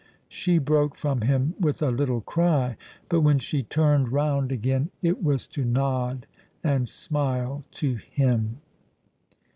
She broke from him with a little cry, but when she turned round again it was to nod and smile to him.